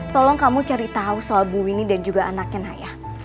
tolong kamu cari tahu soal bu winnie dan juga anaknya naya